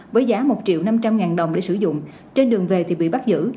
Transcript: với giá một triệu năm trăm linh ngàn đồng để sử dụng trên đường về thì bị bắt giữ